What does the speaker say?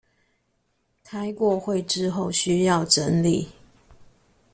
開過會之後需要整理